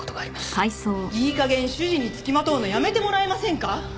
いい加減主人につきまとうのやめてもらえませんか？